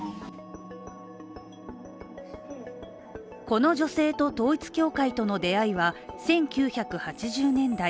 この女性と統一教会との出会いは１９８０年代。